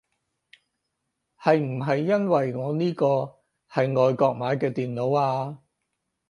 係唔係因為我呢個係外國買嘅電腦啊